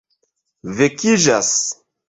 vekiĝas